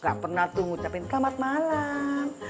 gak pernah tuh ngucapin selamat malam